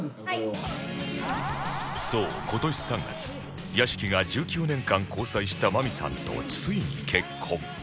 そう今年３月屋敷が１９年間交際したマミさんとついに結婚